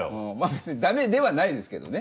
別にダメではないですけどね。